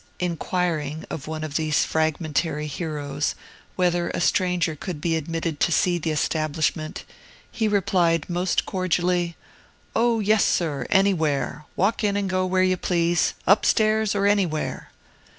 Inquiring of one of these fragmentary heroes whether a stranger could be admitted to see the establishment, he replied most cordially, "O yes, sir, anywhere! Walk in and go where you please, up stairs, or anywhere!"